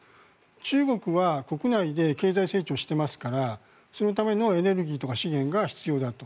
中国は国内で経済成長していますからそのためのエネルギーとか資源が必要だと。